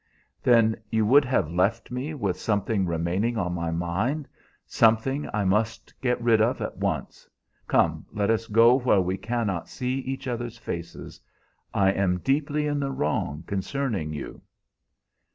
"Then you would have left me with something remaining on my mind, something I must get rid of at once. Come, let us go where we cannot see each other's faces. I am deeply in the wrong concerning you."